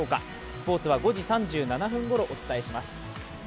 スポーツは５時３７分ごろ、お伝えします。